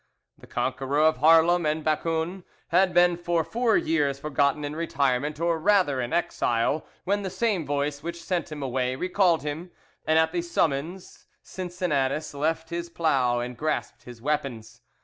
The conqueror of Harlem and Bakkun had been for four years forgotten in retirement, or rather in exile, when the same voice which sent him away recalled him, and at the summons Cincinnatus left his plough and grasped his weapons.